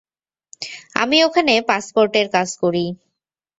আমি ওখানে পাসপোর্টের কাজ করি।